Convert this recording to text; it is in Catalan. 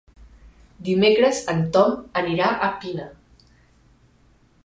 Dimecres en Tom anirà a Pina.